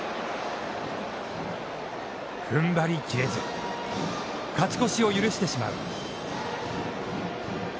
踏ん張りきれず、勝ち越しを許してしまう。